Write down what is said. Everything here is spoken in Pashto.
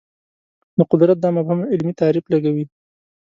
د قدرت دا مفهوم علمي تعریف لګوي